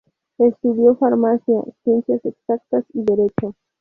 Estudió Farmacia, Ciencias Exactas y Derecho.